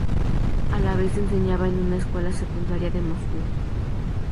A la vez enseñaba en una escuela secundaria de Moscú.